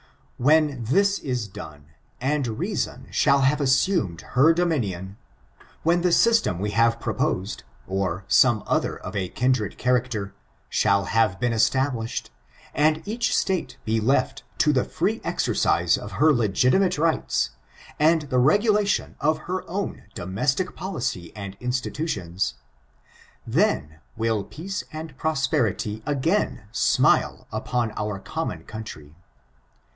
When this is done, and reason shall have assumed her dominion ; when the system we have proposed, or some other of a kindred character, shall have been established, and each State be left to the free exercise of her legiti mate rights, and the regulation of her own domestic policy and institutions ; then will peace and prosperity again snule upon our common country.